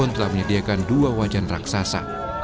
dan juga telah menyediakan dua wajan raksasa